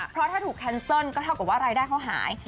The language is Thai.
เพราะถ้าถูกแคนเซิลก็เท่ากับว่ารายได้เขาหาย